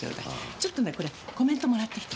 ちょっとねこれコメントもらってきて。